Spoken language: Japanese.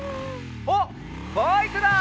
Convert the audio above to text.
あっバイクだ！